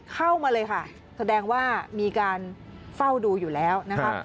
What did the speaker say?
เข้ามาเลยค่ะแสดงว่ามีการเฝ้าดูอยู่แล้วนะครับ